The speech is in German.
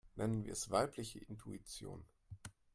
Nennen wir es weibliche Intuition.